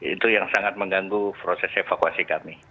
itu yang sangat mengganggu proses evakuasi kami